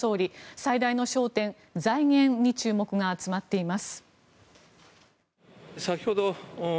最大の焦点、財源に注目が集まっています。